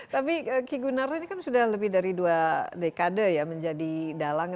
tapi ki gunarto ini kan sudah lebih dari dua dekade ya menjadi dalang